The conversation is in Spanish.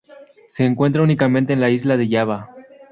Se encuentra únicamente en la isla de Java.